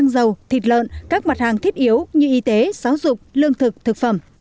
dầu thịt lợn các mặt hàng thiết yếu như y tế giáo dục lương thực thực phẩm